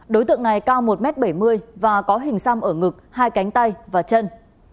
đối tượng này cao một m bảy mươi và có hình xăm ở ngực hai cánh tay và chân